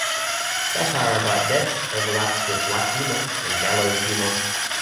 Satire about death overlaps with black humor and gallows humor.